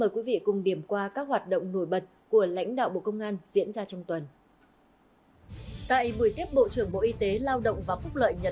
các bạn hãy đăng ký kênh để ủng hộ kênh của chúng mình nhé